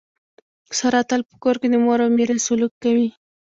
ساره تل په کور کې د مور او میرې سلوک کوي.